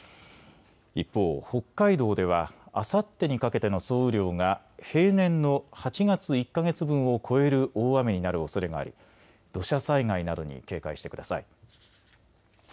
一方、北海道ではあさってにかけての総雨量が平年の８月１か月分を超える大雨になるおそれがあり土砂災害などに警戒してください。